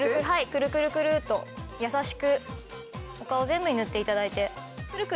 くるくるくるっと優しくお顔全部に塗って頂いて。